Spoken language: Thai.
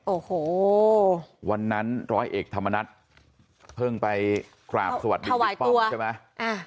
โอ้โหวันนั้นร้อยเอกธรรมนัฐเพิ่งไปกราบสวัสดีบิ๊กป้อมใช่ไหม